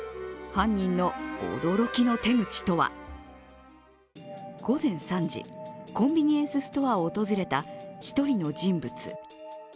犯人の驚きの手口とは午前３時、コンビニエンスストアを訪れた一人の人物。